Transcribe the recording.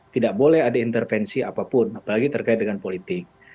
tidak boleh ada intervensi apapun apalagi terkait dengan politik